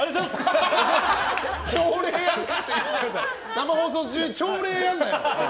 生放送中、朝礼やるなよ。